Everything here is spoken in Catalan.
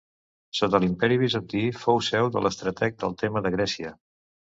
Sota l'imperi Bizantí fou seu de l'estrateg del tema de Grècia.